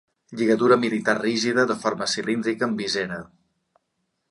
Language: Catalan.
Lligadura militar rígida, de forma cilíndrica, amb visera.